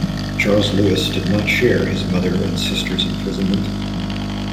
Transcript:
Charles Louis did not share his mother and sister's imprisonment.